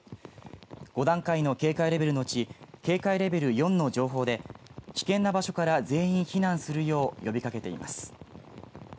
５段階の警戒レベルのうち警戒レベル４の情報で危険な場所から全員避難するよう呼びかけています。